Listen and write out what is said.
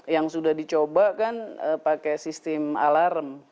yang sudah dicoba kan pakai sistem alarm